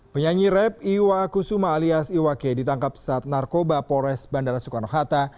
penyanyi rap iwa kusuma alias iwake ditangkap saat narkoba polres bandara soekarno hatta